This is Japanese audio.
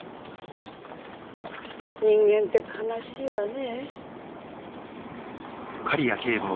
人間って悲しいわね。